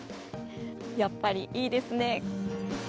やっぱりいいですね！